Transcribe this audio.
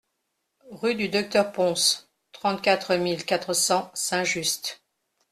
Rue du Docteur Pons, trente-quatre mille quatre cents Saint-Just